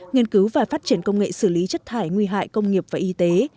nghiên cứu và phát triển công nghệ xử lý chất thải nguy hại công nghiệp và y tế